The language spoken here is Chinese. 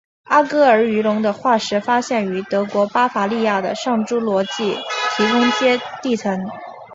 阿戈尔鱼龙的化石发现于德国巴伐利亚的上侏罗纪提通阶地层。